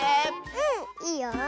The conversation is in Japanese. うんいいよ。